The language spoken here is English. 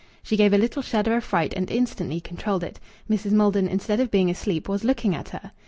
She gave a little shudder of fright and instantly controlled it Mrs. Maldon, instead of being asleep, was looking at her.